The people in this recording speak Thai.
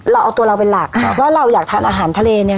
เราเอาตัวเราเป็นหลักว่าเราอยากทานอาหารทะเลเนี่ย